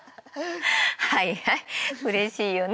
はいはいうれしいよね。